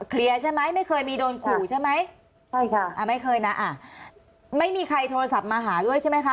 ใช่ไหมไม่เคยมีโดนขู่ใช่ไหมใช่ค่ะอ่าไม่เคยนะอ่ะไม่มีใครโทรศัพท์มาหาด้วยใช่ไหมคะ